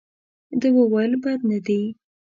ده وویل بد نه دي.